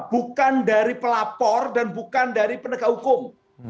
bukan dari pelapor dan bukan dari penegak hukum